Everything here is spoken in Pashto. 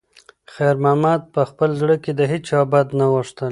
خیر محمد په خپل زړه کې د هیچا بد نه غوښتل.